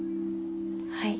はい。